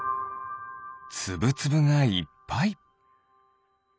つぶつぶがいっぱい。